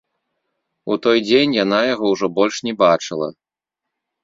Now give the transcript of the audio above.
У той дзень яна яго ўжо больш не бачыла.